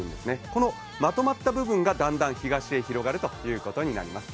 このまとまった部分がだんだん東へ広がることになります。